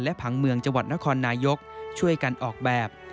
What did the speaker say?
ผังเมืองจังหวัดนครนายกช่วยกันออกแบบ